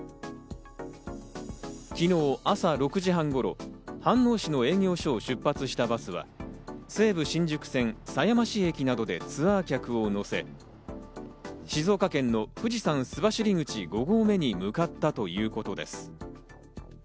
昨日朝６時半頃、飯能市の営業所を出発したバスは、西武新宿線・狭山市駅などでツアー客を乗せ、静岡県の富士山須走口五合目に向かったということです。